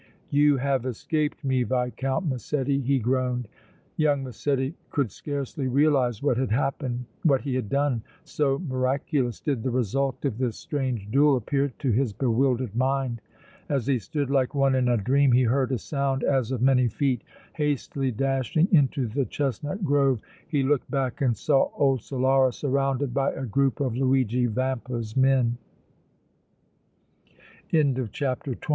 "You have escaped me, Viscount Massetti!" he groaned. Young Massetti could scarcely realize what had happened, what he had done, so miraculous did the result of this strange duel appear to his bewildered mind. As he stood like one in a dream he heard a sound as of many feet. Hastily dashing into the chestnut grove, he looked back and saw old Solara surrounded by a group of Luigi Vampa's men. CHAPTER XXV.